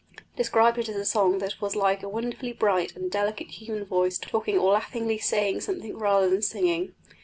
He described it as a song that was like a wonderfully bright and delicate human voice talking or laughingly saying something rather than singing.